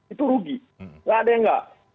itu rugi nggak ada yang nggak